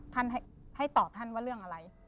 ท่านให้ตอบท่านว่าเรื่องอะไร